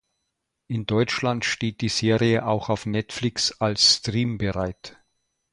In Deutschland steht die Serie auch auf Netflix als Stream bereit.